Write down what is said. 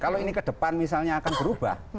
kalau ini ke depan misalnya akan berubah